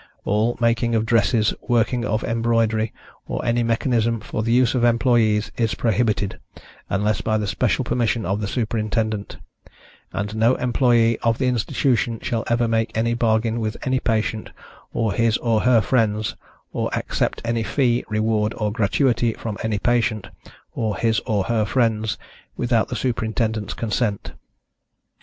All making of dresses, working of embroidery, or any mechanism, for the use of employees, is prohibited, unless by the special permission of the Superintendent; and no employee of the Institution shall ever make any bargain with any patient, or his or her friends, or accept of any fee, reward or gratuity from any patient, or his or her friends, without the Superintendentâ€™s consent.